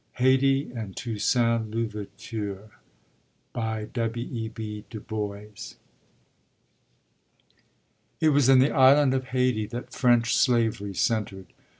HAYTI AND TOUSSAINT L'OUVERTURE W. E. B. DUBOIS It was in the island of Hayti that French slavery centered.